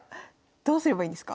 どうすればいいんですか？